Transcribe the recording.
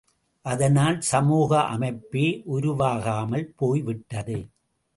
அதனால் சமூக அமைப்பே உருவாகாமல் போய்விட்டது.